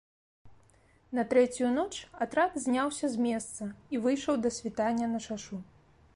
На трэцюю ноч атрад зняўся з месца і выйшаў да світання на шашу.